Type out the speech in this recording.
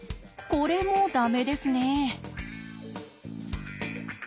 これも駄目ですね。